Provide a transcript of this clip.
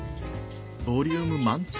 ボリューム満点！